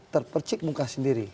terpercik muka sendiri